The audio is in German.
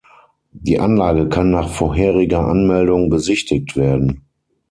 Die Anlage kann nach vorheriger Anmeldung besichtigt werden.